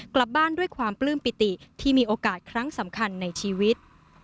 กลับบ้านด้วยความปลื้มปิติที่มีโอกาสครั้งสำคัญในชีวิต